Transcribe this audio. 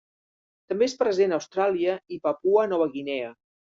També és present a Austràlia i Papua Nova Guinea.